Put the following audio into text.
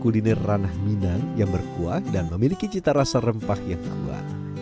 kuliner ranah minang yang berkuah dan memiliki cita rasa rempah yang kuat